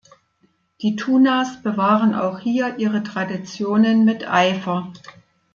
Die Tunas bewahren auch hier ihre Traditionen mit Eifer.